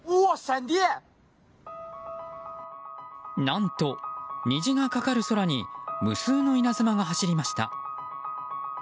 何と、虹がかかる空に無数の稲妻が走りました。